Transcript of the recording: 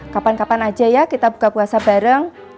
kapan kapan aja ya kita buka puasa bareng